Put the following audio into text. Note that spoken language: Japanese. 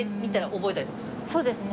そうですね。